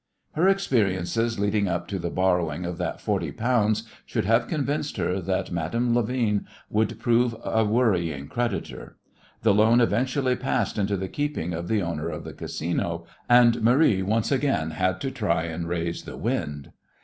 Her experiences leading up to the borrowing of that forty pounds should have convinced her that Madame Levin would prove a worrying creditor. The loan eventually passed into the keeping of the owner of the Casino, and Marie once again had to try and "raise the wind."